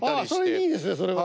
いいですねそれは。